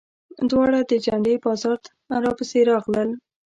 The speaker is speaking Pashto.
دواړه د جنډې بازار ته راپسې راغلل.